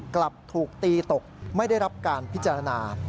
กลับถูกตีตกไม่ได้รับการพิจารณา